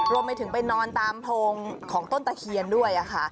รวมไปถึงไปนอนตามโพรงของต้นตะเคียนด้วยค่ะ